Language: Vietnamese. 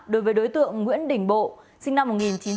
đối với đối tượng nguyễn đình bộ sinh năm một nghìn chín trăm bảy mươi bốn